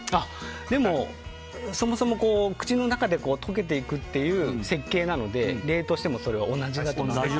でも、そもそも口の中で溶けていくっていう設計なので冷凍しても同じだと思います。